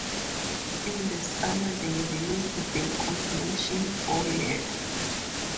In the summer, they released the compilation O, Yeah!